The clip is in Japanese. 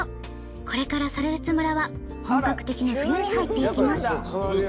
これから猿払村は本格的な冬に入っていきます。